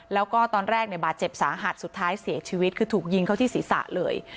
แล้วก็ตอนแรกเนี่ยบาดเจ็บสาหัสสุดท้ายเสียชีวิตคือถูกยิงเข้าที่ศีรษะเลย